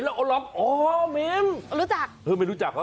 เห็นแล้วอ๋ออ๋อมิ้นรู้จักเธอไม่รู้จักเหรอ